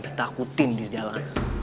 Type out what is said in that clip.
ditakutin di sejalan